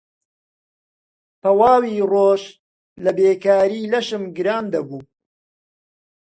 تەواوی ڕۆژ لە بێکاری لەشم گران دەبوو